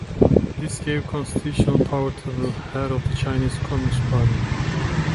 This gave constitutional power to the head of the Chinese Communist Party.